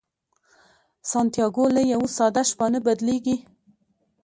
سانتیاګو له یوه ساده شپانه بدلیږي.